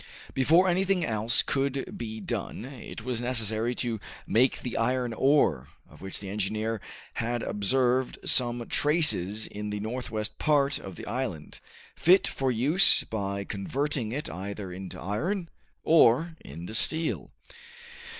Before anything else could be done it was necessary to make the iron ore, of which the engineer had observed some traces in the northwest part of the island, fit for use by converting it either into iron or into steel.